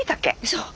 そう！